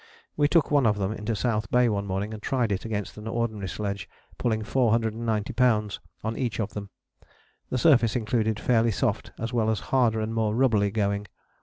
We took one of them into South Bay one morning and tried it against an ordinary sledge, putting 490 lbs. on each of them. The surface included fairly soft as well as harder and more rubbly going.